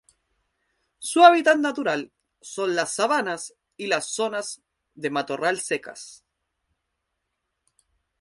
Su hábitat natural son las sabanas y las zonas de matorral secas.